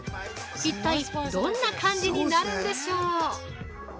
一体どんな感じになるんでしょう。